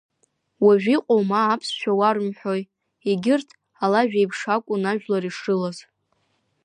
Уажә иҟоу ма аԥсшәа уарымҳәои, егьырҭ алажә еиԥш акәын ажәлар ишрылаз.